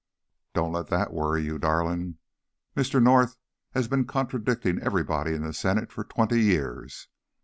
"Don't let that worry you, darling. Mr. North has been contradicting everybody in the Senate for twenty years.